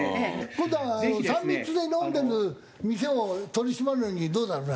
今度はあの３密で飲んでる店を取り締まるのにどうだろうな？